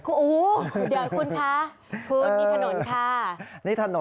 โอ้โหเดี๋ยวคุณพาคุณนิถนนค่ะ